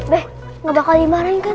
deh gak bakal dimarahin kan